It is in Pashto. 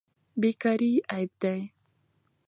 بیکاري عیب دی.